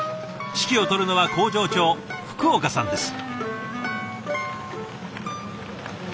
指揮を執るのは工場長福岡さんです。